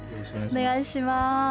お願いします